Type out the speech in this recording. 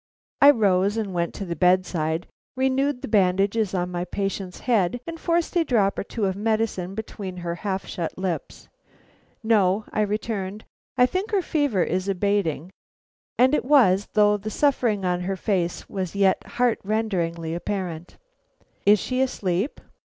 I rose and went to the bedside, renewed the bandages on my patient's head, and forced a drop or two of medicine between her half shut lips. "No," I returned, "I think her fever is abating." And it was, though the suffering on her face was yet heart rendingly apparent. "Is she asleep?"